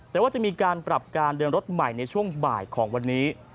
แต่ว่าจะมีการปรับการเดินรถใหม่ในช่วงบ่ายของวันนี้